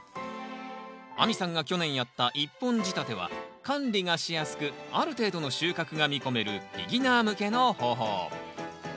亜美さんが去年やった１本仕立ては管理がしやすくある程度の収穫が見込めるビギナー向けの方法。